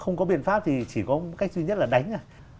không có biện pháp thì chỉ có cách duy nhất là đánh thôi